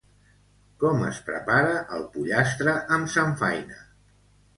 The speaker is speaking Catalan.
Com es prepara el pollastre amb samfaina?